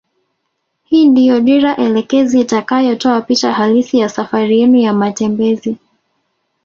Hii ndio dira elekezi itakayotoa picha halisi ya safari yenu ya matembezi